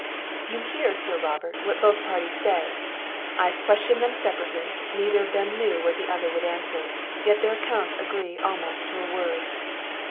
"You hear, Sir Robert, what both parties say; I have questioned them separately; neither of them knew what the other would answer, yet their accounts agree almost to a word."